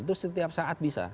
itu setiap saat bisa